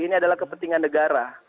ini adalah kepentingan negara